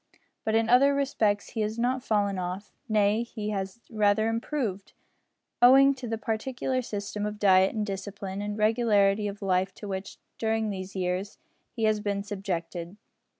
But in other respects he has not fallen off nay he has rather improved, owing to the peculiar system of diet and discipline and regularity of life to which, during these years, he has been subjected.